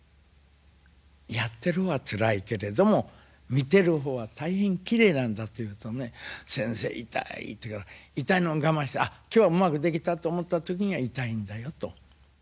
「やってる方はつらいけれども見てる方は大変きれいなんだ」と言うとね「先生痛い」と言うから「痛いのを我慢してあっ今日はうまくできたと思った時には痛いんだよ」と。